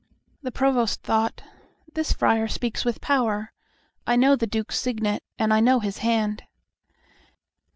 The Provost thought, "This friar speaks with power. I know the Duke's signet and I know his hand."